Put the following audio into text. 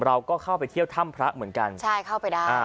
เราก็เข้าไปเที่ยวถ้ำพระเหมือนกันใช่เข้าไปได้อ่า